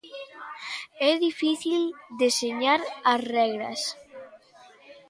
É difícil deseñar as regras?